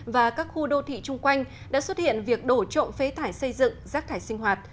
và các khu đô thị chung quanh đã xuất hiện việc đổ trộm phế thải xây dựng rác thải sinh hoạt